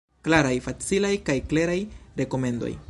Klaraj, facilaj kaj kleraj rekomendoj.